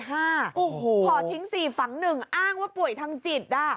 พ่อทิ้งสี่ฝั่งหนึ่งอ้างว่าป่วยทางจิต